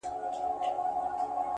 اوښکي نه راتویومه خو ژړا کړم!